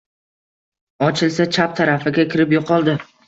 Ochilsa — chap tarafiga kirib yo‘qoldi.